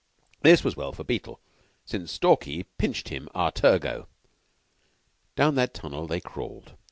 This was well for Beetle, since Stalky pinched him a tergo. Down that tunnel they crawled.